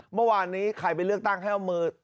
เมื่อวานนี้ใครไปเลือกตั้งให้เอามือ